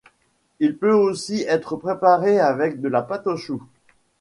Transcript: Il peut aussi être préparé avec de la pâte à choux.